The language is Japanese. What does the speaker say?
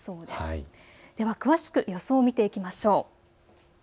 では詳しく予想を見ていきましょう。